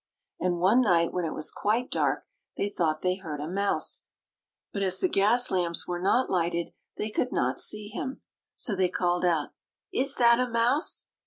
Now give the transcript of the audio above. And one night, when it was quite dark, they thought they heard a mouse; but, as the gas lamps were not lighted, they could not see him. So they called out, "Is that a mouse?"